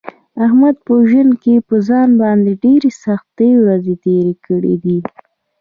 احمد په ژوند کې په ځان باندې ډېرې سختې ورځې تېرې کړې دي.